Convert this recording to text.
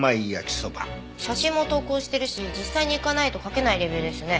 写真も投稿してるし実際に行かないと書けないレビューですね。